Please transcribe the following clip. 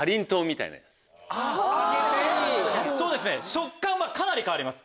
食感はかなり変わります